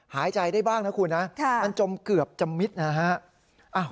หายใจได้บ้างนะคุณนะครับมันจมเกือบจมิดนะครับค่ะ